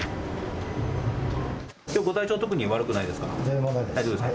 きょうご体調特に悪くないですか？